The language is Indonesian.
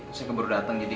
seengga baru dateng jadi